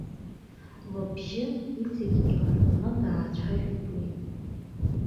Лыбжьы иҵегь иларҟәны даацәажәеит уи.